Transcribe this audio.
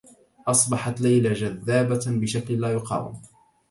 أصبحت ليلى جذّابة بشكل لا يقاوم.